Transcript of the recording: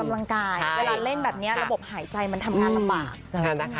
เวลาเล่นแบบนี้ระบบหายใจมันทำงานละบาก